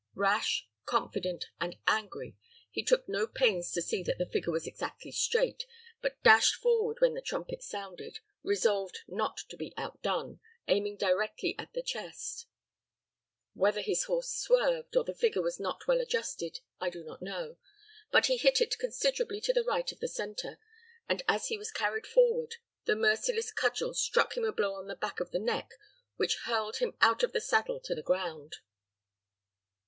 Rash, confident, and angry, he took no pains to see that the figure was exactly straight, but dashed forward when the trumpet sounded, resolved not to be outdone, aiming directly at the chest. Whether his horse swerved, or the figure was not well adjusted, I do not know; but he hit it considerably to the right of the centre, and, as he was carried forward, the merciless cudgel struck him a blow on the back of the neck which hurled him out of the saddle to the ground.